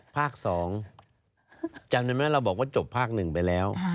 ภาคสองจำได้ไหมว่าเราบอกว่าจบภาคหนึ่งไปแล้ว